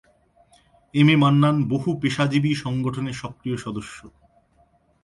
M A Mannan বহু পেশাজীবী সংগঠনের সক্রিয় সদস্য।